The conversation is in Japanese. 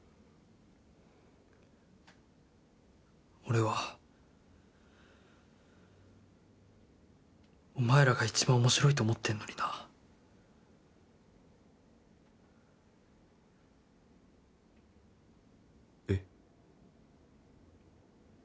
俺はお前らが一番おもしろいと思ってんのになえっ？